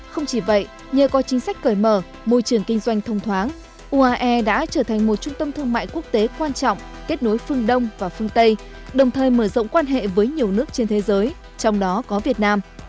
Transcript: không chỉ vậy nhờ có chính sách cởi mở môi trường kinh doanh thông thoáng uae đã trở thành một trung tâm thương mại quốc tế quan trọng kết nối phương đông và phương tây đồng thời mở rộng quan hệ với nhiều nước trên thế giới trong đó có việt nam